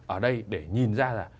ở đây để nhìn ra là